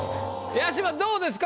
八嶋どうですか？